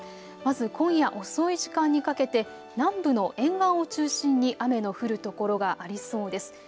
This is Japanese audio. まず今夜遅い時間にかけて南部の沿岸を中心に雨の降る所がありそうです。